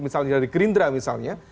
misalnya dari gerindra misalnya